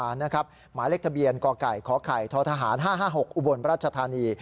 หมายเลขทะเบียนกไก่ขไข่ททหาร๕๕๖อุบลราชธานี